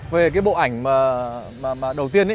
về cái bộ ảnh mà đầu tiên